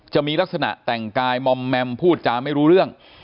จะมีลักษณะแต่งกายมอมแมมพูดจาไม่รู้เรื่อง